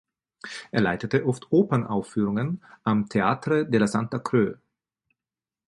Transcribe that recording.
Er leitete oft Opernaufführungen am "Teatre de la Santa Creu".